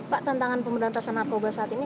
pak tantangan pemberantasan narkoba saat ini